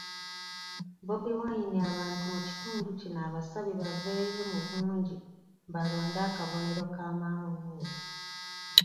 Bobi Wine abantu mu kitundu kino abasabye baveeyo mu bungi balonde akabonero ka manvuuli.